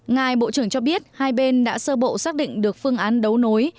ngài bộ trưởng cho biết hai bên đã sơ bộ xác định được phương án đấu nối